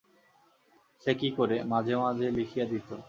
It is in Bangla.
সে কী করে, মাঝে মাঝে লিখিয়া দিত।